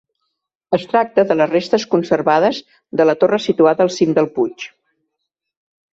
Es tracta de les restes conservades de la torre situada al cim del puig.